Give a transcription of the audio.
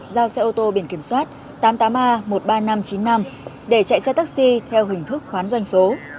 giao xe ô tô biển kiểm soát tám mươi tám a một mươi ba nghìn năm trăm chín mươi năm để chạy xe taxi theo hình thức khoán doanh số